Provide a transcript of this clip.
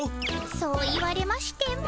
そう言われましても。